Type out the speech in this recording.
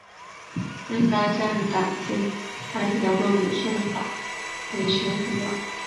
这是他向党禁发起的公民宪法维权行动。